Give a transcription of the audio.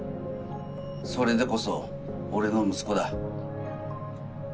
それでこそ俺の息子だ。